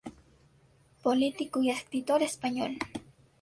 Político y escritor español.